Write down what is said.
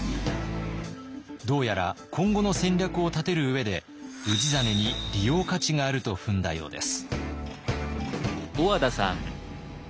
どうやら今後の戦略を立てる上で氏真に利用価値があると踏んだようです。